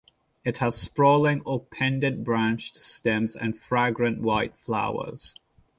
It has sprawling or pendent branched stems and fragrant white flowers.